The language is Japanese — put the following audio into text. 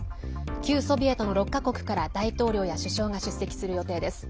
旧ソビエトの６か国から大統領や首相が出席する予定です。